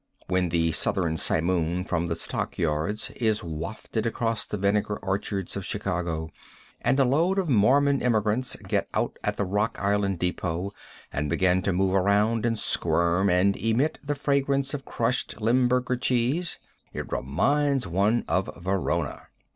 When the southern simoon from the stock yards is wafted across the vinegar orchards of Chicago, and a load of Mormon emigrants get out at the Rock Island depot and begin to move around and squirm and emit the fragrance of crushed Limburger cheese, it reminds one of Verona.